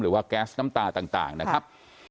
หรือว่าแก๊สน้ำตาต่างนะครับ